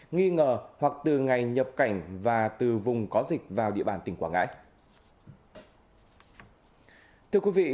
nghi ngờ hoặc từ ngày nhập cảnh và từ vùng có dịch vào địa bàn tỉnh quảng ngãi